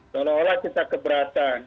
kalau kita keberatan